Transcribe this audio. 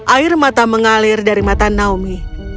air mata mengalir dari mata naomi